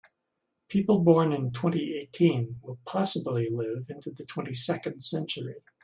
People born in twenty-eighteen will possibly live into the twenty-second century.